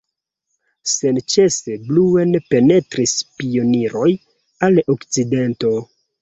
Senĉese pluen penetris pioniroj al okcidento.